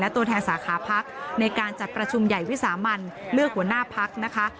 ตัวแทนสาขาพักในการจัดประชุมใหญ่วิสามันเลือกหัวหน้าพักนะคะ